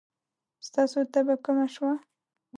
ستاسو تبه کمه شوه؟